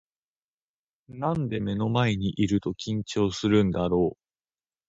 なんで目の前にいると緊張するんだろう